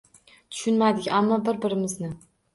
Tushunmadik ammo bir-birimizni…